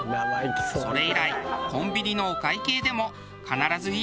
それ以来コンビニのお会計でも。